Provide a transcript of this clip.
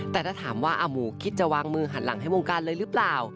แต่ถ้าถามว่าอาหมูคิดจะวางมือหันหลังให้วงการเลยหรือเปล่า